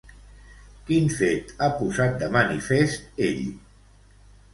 Quin fet ha posat de manifest ell?